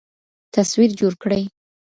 تصوير جوړ كړي